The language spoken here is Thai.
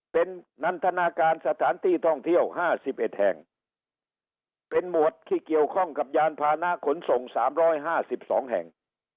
เป็นนันทนาการสถานที่ท่องเที่ยวห้าสิบเอ็ดแห่งเป็นหมวดที่เกี่ยวข้องกับยานพานะขนส่งสามร้อยห้าสิบสองแห่ง